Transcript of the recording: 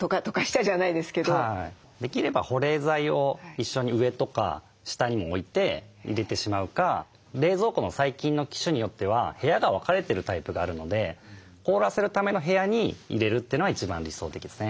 できれば保冷剤を一緒に上とか下にも置いて入れてしまうか冷蔵庫の最近の機種によっては部屋が分かれてるタイプがあるので凍らせるための部屋に入れるというのが一番理想的ですね。